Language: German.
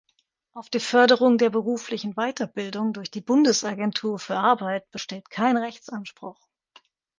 Auf die Förderung der beruflichen Weiterbildung durch die Bundesagentur für Arbeit besteht kein Rechtsanspruch.